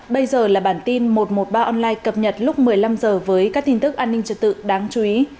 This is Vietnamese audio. bây giờ là bản tin một trăm một mươi ba online cập nhật lúc một mươi năm h với các tin tức an ninh trật tự đáng chú ý